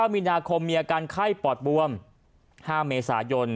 มีนาคมมีอาการไข้ปอดบวม๕เมษายน